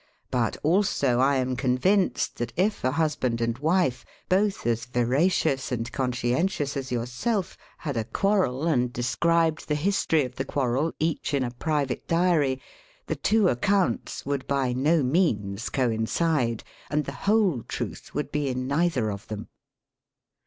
But also I am convinced that if a husband and wife, both as veracious and con scientious fius yourself, had a quarrel and de 44 SELF AND SELF MANAGEMENT scribed the history of the quarrel each in a private diary, the two accounts would by no means coin cide, and the whole truth would be in neither of them.